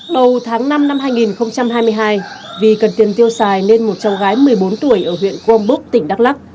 đầu tháng năm năm hai nghìn hai mươi hai vì cần tiền tiêu xài nên một cháu gái một mươi bốn tuổi ở huyện crombok tỉnh đắk lắc